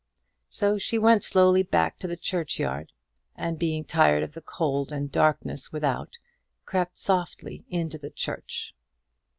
So she went slowly back to the churchyard, and being tired of the cold and darkness without, crept softly into the church.